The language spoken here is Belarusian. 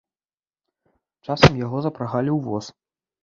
Часам яго запрагалі ў воз.